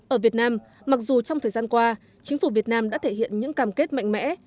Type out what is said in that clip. ở việt nam mặc dù trong thời gian qua chính phủ việt nam đã thể hiện những cam kết mạnh mẽ